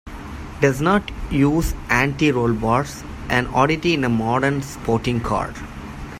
It does not use anti-roll bars, an oddity in a modern sporting car.